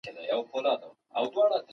ماشوم له خپلې ژبې نه شرمېږي.